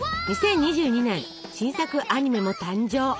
２０２２年新作アニメも誕生。